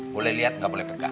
boleh lihat nggak boleh pegang